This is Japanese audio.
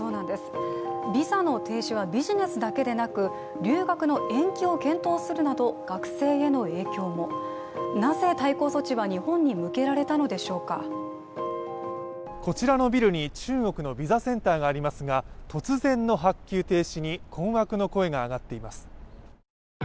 ビザの停止はビジネスだけでなく留学の延期を検討するなど学生への影響も、なぜ対抗措置は日本に向けられたのでしょうかこちらのビルに中国のビザセンターがありますが、突然の発給停止に困惑の声が上がっています。